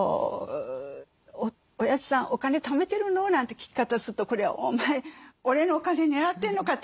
「おやじさんお金ためてるの？」なんて聞き方するとこれは「お前俺のお金狙ってんのか」って言われてしまいますからね。